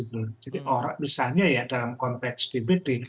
misalnya dalam konteks dpd